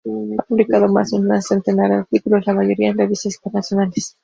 Ha publicado más de un centenar de artículos, la mayoría en revistas internacionales.